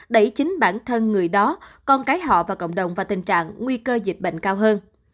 đẩy chính bản thân người đó con cái họ và cộng đồng vào tình trạng nguy cơ dịch bệnh cao hơn